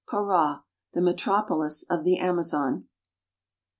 PARA, THE METROPOLIS OF THE AMAZON.